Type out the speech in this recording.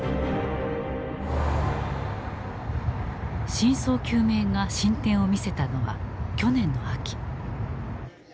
真相究明が進展を見せたのは去年の秋。